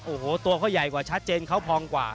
โอ้โหตัวเขาใหญ่กว่าชัดเจนเขาพองกว่า